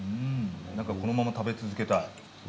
このまま食べ続けたい。